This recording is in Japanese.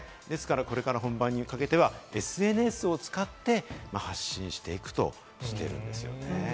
これから本番にかけては、ＳＮＳを使って発信していくとしているんですよね。